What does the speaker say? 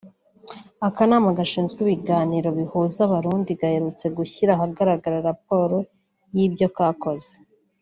Akanama gashinzwe ibiganiro bihuza Abarundi gaherutse gushyira ahagaragara raporo y’ibyo kakoze